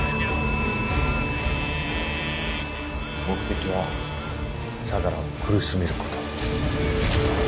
目的は相良を苦しめること。